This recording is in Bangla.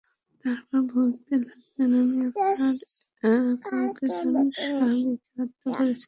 তারপর বলতে লাগলেন, আমি আপনার কয়েকজন সাহাবীকে হত্যা করেছিলাম।